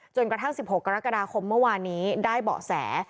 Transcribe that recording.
กระทั่ง๑๖กรกฎาคมเมื่อวานนี้ได้เบาะแส